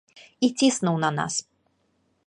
І ціснуў на нас.